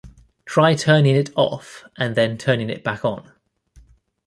Try turning it off and then turning it back on.